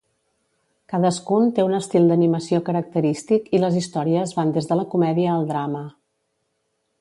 Cadascun té un estil d'animació característic i les històries van des de la comèdia al drama.